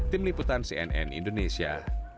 tim liputan cnn indonesia